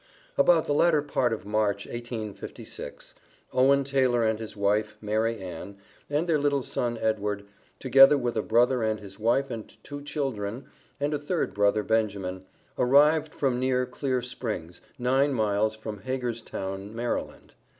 About the latter part of March, 1856, Owen Taylor and his wife, Mary Ann, and their little son, Edward, together with a brother and his wife and two children, and a third brother, Benjamin, arrived from near Clear Springs, nine miles from Hagerstown, Maryland.